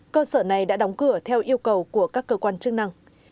cơ sở này đã đóng cửa theo yêu cầu của các cơ quan chức năng